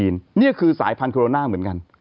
นี่คือสายพันธุโรนาเหมือนกัน